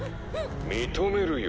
「認めるよ」